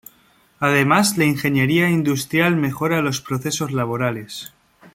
Además la ingeniería industrial mejora los procesos laborales.